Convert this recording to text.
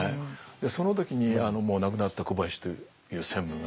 その時にもう亡くなった小林という専務が。